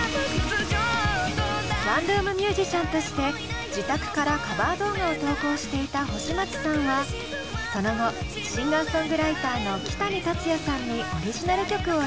ワンルーム☆ミュージシャンとして自宅からカバー動画を投稿していた星街さんはその後シンガーソングライターのキタニタツヤさんにオリジナル曲を依頼。